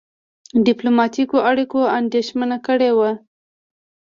ډيپلوماټیکو اړیکو اندېښمن کړی وو.